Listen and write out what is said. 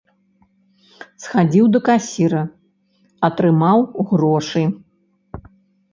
Схадзіў да касіра, атрымаў грошы.